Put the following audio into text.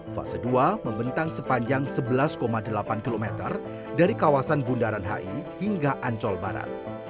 fase dua membentang sepanjang sebelas delapan km dari kawasan bundaran hi hingga ancol barat